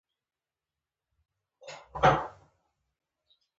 اخر موټروان څنگ ته کړم.